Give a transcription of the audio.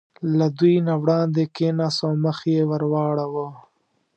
له دوی نه وړاندې کېناست او مخ یې ور واړاوه.